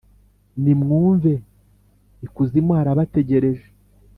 nimwumve! ikuzimu harabategereje